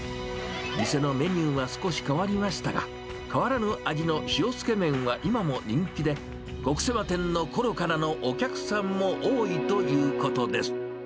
店のメニューは少し変わりましたが、変わらぬ味の塩つけ麺は今も人気で、極セマ店のころからのお客さんも多いということです。